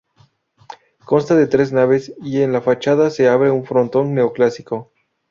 Consta de tres naves y en la fachada se abre un frontón neoclásico.